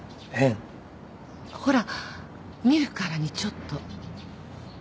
ほら見るからにちょっと。